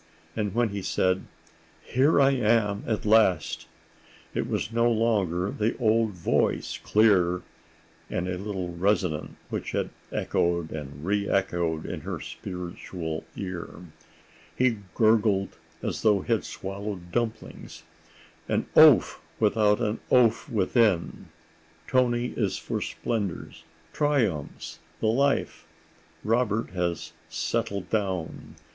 And when he said: 'Here I am at last,' it was no longer the old voice, clear and a little resonant, which had echoed and reëchoed in her spiritual ear. He gurgled as though he had swallowed dumplings." An oaf without and an oaf within! Toni is for splendors, triumphs, the life; Robert has "settled down."